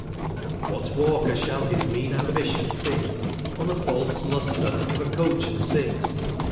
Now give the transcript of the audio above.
What Walker shall his mean Ambition fix, On the false Lustre of a Coach and Six